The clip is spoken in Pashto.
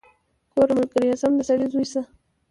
ګوره ملګريه سم د سړي زوى شه.